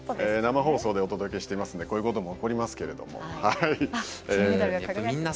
生放送でお届けしていますのでこういうことも起こりますけれども。